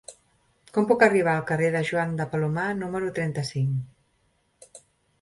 Com puc arribar al carrer de Joan de Palomar número trenta-cinc?